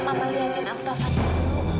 mama liatin om taufan dulu